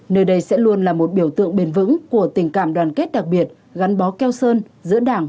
nơi đây sẽ luôn là một biểu tượng bền vững của tình cảm đoàn kết đặc biệt gắn bó keo sơn giữa đảng